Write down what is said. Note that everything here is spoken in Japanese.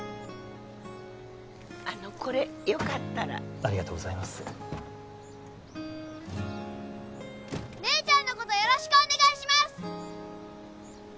あのこれよかったらありがとうございます姉ちゃんのことよろしくお願いします